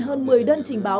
hơn một mươi đơn trình báo